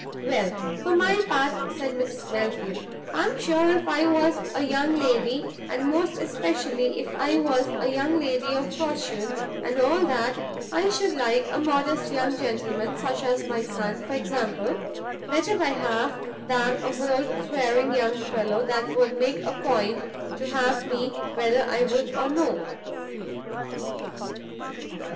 "Well, for my part," said Mrs Belfield, "I am sure if I was a young lady, and most especially if I was a young lady of fortune, and all that, I should like a modest young gentleman, such as my son, for example, better by half than a bold swearing young fellow, that would make a point to have me whether I would or no."